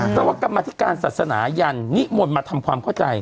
ก็ว่ากรรมทิการศาสนายันนี่หมดมาทำความเข้าใจ